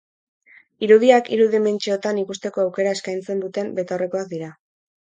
Irudiak hiru dimentsiotan ikusteko aukera eskaintzen duten betaurrekoak dira.